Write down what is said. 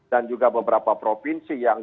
dan juga beberapa provinsi yang